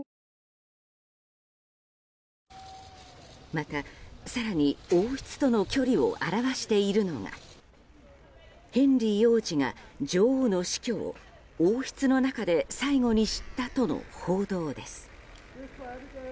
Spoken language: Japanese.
また、更に王室との距離を表しているのがヘンリー王子が女王の死去を王室の中で最後に知ったとの報道です。